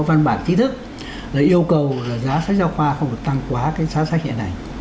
văn bản trí thức là yêu cầu là giá sách giáo khoa không phải tăng quá cái giá sách hiện hành